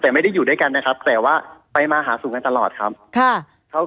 แต่ไม่ได้อยู่ด้วยกันนะครับแต่ว่าไปมาหาสู่กันตลอดครับค่ะ